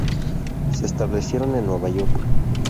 Se establecieron en Nueva York.